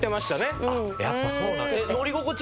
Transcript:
やっぱそうなんだ。